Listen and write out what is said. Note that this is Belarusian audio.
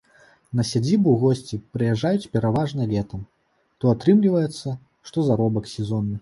На сядзібу госці прыязджаюць пераважна летам, то атрымліваецца, што заробак сезонны.